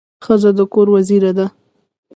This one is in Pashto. ښځه د کور وزیره ده.